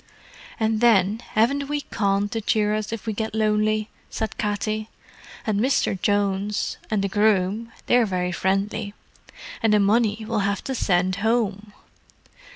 "And then, haven't we Con to cheer us up if we get lonely?" said Katty. "And Misther Jones and the groom—they're very friendly. And the money we'll have to send home!